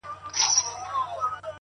o شکر دی گراني چي زما له خاندانه نه يې.